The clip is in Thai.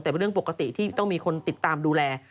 แต่เป็นเรื่องปกติที่ต้องมีคนติดตามดูแล